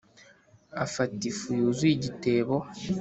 afata ifu yuzuye igitebo